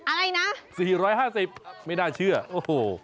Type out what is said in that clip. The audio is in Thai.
อะไรนะ๔๕๐ไม่น่าเชื่อโอ้โห